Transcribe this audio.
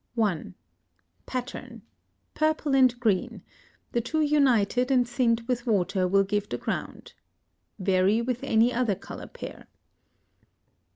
1. Pattern. Purple and green: the two united and thinned with water will give the ground. Vary with any other color pair.